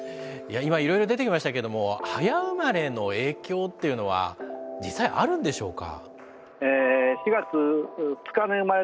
今いろいろ出てきましたけれども早生まれの影響というのは実際あるんでしょうか？